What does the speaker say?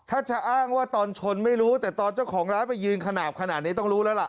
ถ้าจะอ้างว่าตอนชนไม่รู้แต่ตอนเจ้าของร้านไปยืนขนาดขนาดนี้ต้องรู้แล้วล่ะ